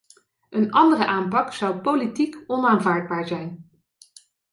Een andere aanpak zou politiek onaanvaardbaar zijn.